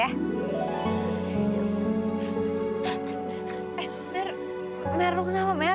eh mer mer lu kenapa mer